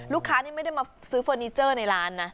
ลูกค้านี่ไม่ได้มาซื้อเฟอร์นิเจอร์ในร้านนะ